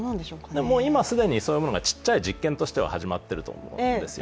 今既にそういうものが小さい実験としては始まっていると思うんですよ。